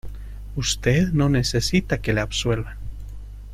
usted no necesita que le absuelvan